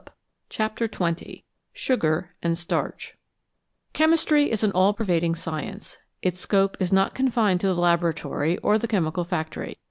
226 CHAPTER XX SUGAR AND STARCH CHEMISTRY is an all pervading science. Its scope is not confined to the laboratory or the chemical factory.